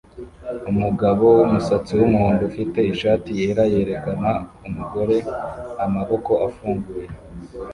Umugabo wumusatsi wumuhondo ufite ishati yera yerekana umugore amaboko afunguye